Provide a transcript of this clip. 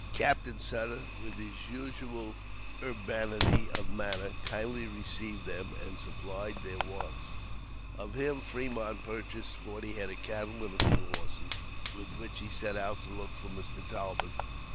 Captain Sutter, with his usual urbanity of manner, kindly received them, and supplied their wants. Of him, Fremont purchased forty head of cattle and a few horses, with which he set out to look for Mr. Talbot.